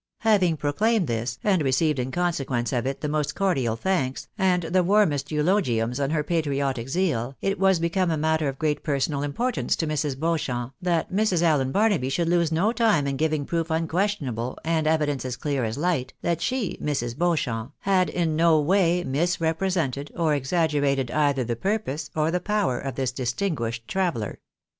Having proclaimed this, and received in consequence of it the most cordial thanks, and the warmest eulogiums on her patriotic zeal, it was become a matter of great personal importance to Mrs. Beauchamp, that Mrs. Allen Barnaby should lose no time in giving proof unquestionable, and evidence as clear as hght, that she, Mrs. Beauchamp, had in no way misrepresented or exaggerated either the purpose or the power of this distinguished traveller.